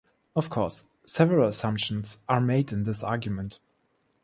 Of course, several assumptions are made in this argument.